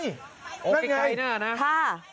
มันไงนะค่ะ